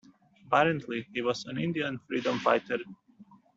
Apparently, he was an Indian freedom fighter.